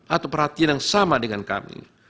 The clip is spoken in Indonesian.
atau perhatian yang sama dengan kami